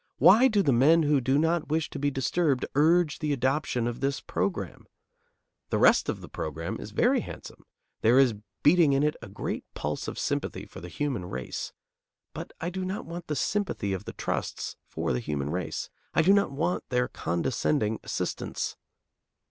Why do the men who do not wish to be disturbed urge the adoption of this program? The rest of the program is very handsome; there is beating in it a great pulse of sympathy for the human race. But I do not want the sympathy of the trusts for the human race. I do not want their condescending assistance.